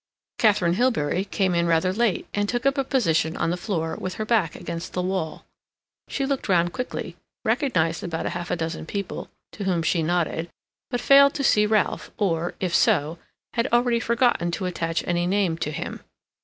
Katharine Hilbery came in rather late, and took up a position on the floor, with her back against the wall. She looked round quickly, recognized about half a dozen people, to whom she nodded, but failed to see Ralph, or, if so, had already forgotten to attach any name to him.